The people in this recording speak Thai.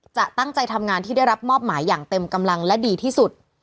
จะตั้งใจทำงานที่ได้รับมอบหมายอย่างเต็มกำลังและดีที่สุด